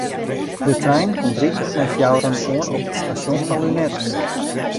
De trein komt ryklik nei fjouweren oan op it stasjon fan Lunetten.